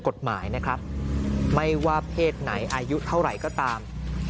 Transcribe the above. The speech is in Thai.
กฎหมายนะครับไม่ว่าเพศไหนอายุเท่าไหร่ก็ตาม